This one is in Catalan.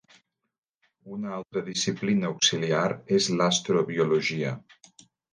Una altra disciplina auxiliar és l'astrobiologia.